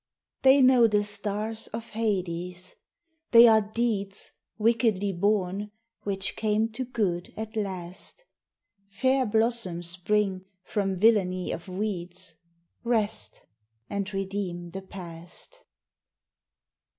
They know the stars of Hades. They are deeds, Wickedly born, which came to good at last Fair blossoms spring from villany of weeds, Rest and redeem the past.